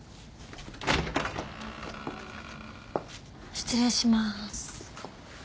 失礼しまーす。